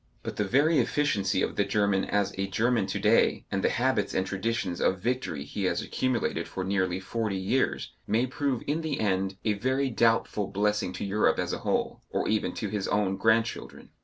But the very efficiency of the German as a German to day, and the habits and traditions of victory he has accumulated for nearly forty years, may prove in the end a very doubtful blessing to Europe as a whole, or even to his own grandchildren.